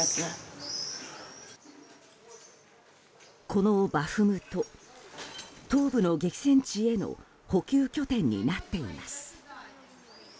このバフムト東部の激戦地への補給拠点になっています。